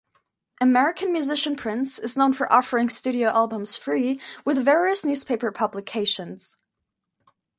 American musician Prince is known for offering studio albums free with various newspaper publications.